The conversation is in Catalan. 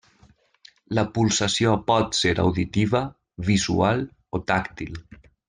La pulsació pot ser auditiva, visual o tàctil.